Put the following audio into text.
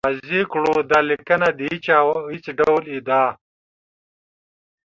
واضح کړو، دا لیکنه د هېچا او هېڅ ډول ادعا